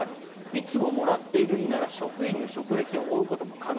いつももらっているんなら職員の職歴を追うことも可能。